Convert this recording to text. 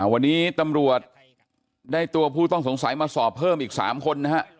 วันนี้ตำรวจได้ตัวผู้ต้องสงสัยมาสอบเพิ่มอีก๓คนนะฮะ